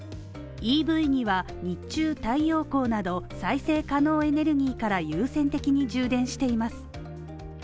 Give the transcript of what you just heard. ＥＶには日中、太陽光など再生可能エネルギーから優先的に充電しています。